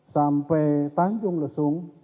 sampai tanjung lesung